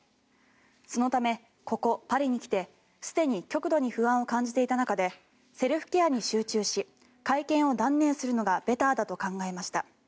そのため、ここパリに来てすでに極度に不安を感じていた中でセルフケアに集中し会見を断念するのがベターだと考えました。